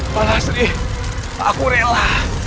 palasri aku rela